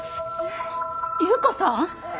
裕子さん！？